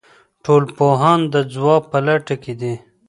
ټولنپوهان د ځواب په لټه کې دي.